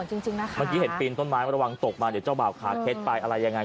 เมื่อกี้เห็นปีนต้นไม้ระวังตกมาเดี๋ยวเจ้าบ่าวคาเค็ดไปอะไรอย่างนั้น